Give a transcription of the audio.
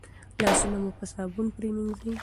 لاسونه مو په صابون پریمنځئ.